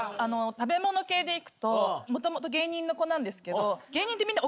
食べ物系で行くと元々芸人の子なんですけど。